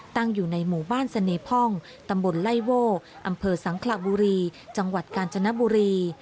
ตั้งอยู่ในหมู่บ้านเสน่พ่องตำบลไล่โว่อำเภอสังขระบุรีจังหวัดกาญจนบุรี